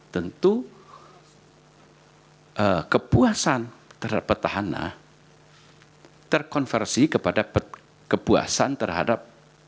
tentu kepuasan terhadap petahana terkonversi kepada kepuasan terhadap